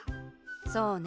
そうね。